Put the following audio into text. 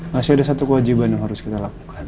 masih ada satu kewajiban yang harus kita lakukan